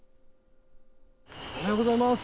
おはようございます。